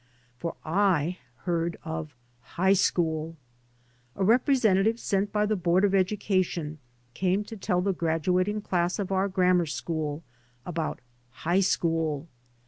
For I heard of High School. A representative sent by the board of education came to tell the gradu ating class of our grammar school about high school.